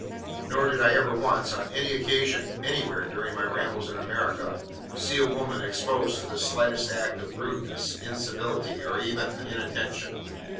Nor did I ever once, on any occasion, anywhere, during my rambles in America, see a woman exposed to the slightest act of rudeness, incivility, or even inattention.